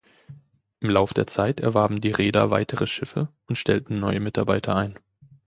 Im Lauf der Zeit erwarben die Reeder weitere Schiffe und stellten neue Mitarbeiter ein.